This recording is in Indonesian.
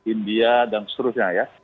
india dan seterusnya ya